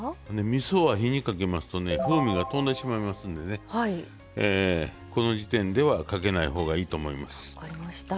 みそは火にかけますと風味がとんでしまいますのでこの時点ではかけないほうがいいと思います。